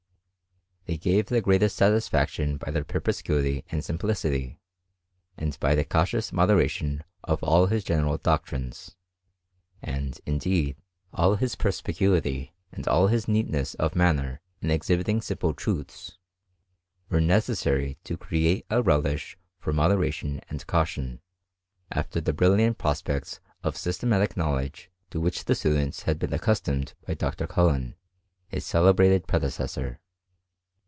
They gave • the greateil faction by their perspicuity and simplicity, a the cautious moderation of all his general doo and, indeed, all his perspicuity, and all his m of manner in exhibiting simple truths, were nei to create a relish for moderation and caution, af brilliant prospects of systematic knowledge tQ CBISXISTBT IK 6EEAT BEXTAIN. 319 the Students had been accustomed by Dr. Cullen, his celebrated predecessor.